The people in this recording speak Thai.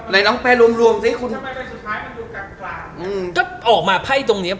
สุดท้ายมันมาดูกลาง